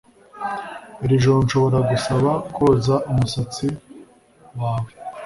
iri joro nshobora gusaba koza umusatsi wawe